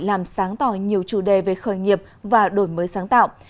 làm sáng tỏ nhiều chủ đề về khởi nghiệp và đổi mới sáng tạo